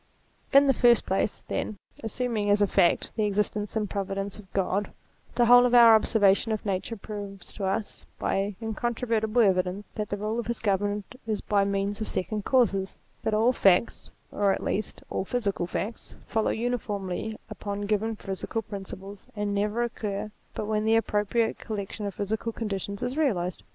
In the first place, then, assuming as a fact the existence and providence of Grod, the whole of our observation of Nature proves to us by incontrover tible evidence that the rule of his government is by means of second causes : that all facts, or at least all physical facts, follow uniformly upon given physical conditions, and never occur but when the appropriate collection of physical conditions is realized.